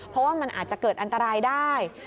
เพราะว่ามันอาจจะเกิดอันตรายได้